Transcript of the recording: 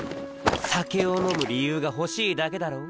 酒を飲む理由が欲しいだけだろう？